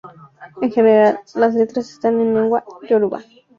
En general, las letras están en lengua yoruba.